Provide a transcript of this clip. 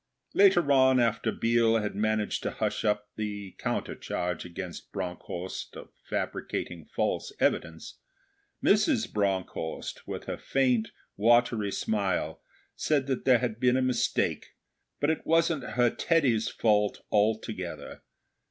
Later on, after Biel had managed to hush up the counter charge against Bronckhorst of fabricating false evidence, Mrs. Bronckhorst, with her faint, watery smile, said that there had been a mistake, but it wasn't her Teddy's fault altogether.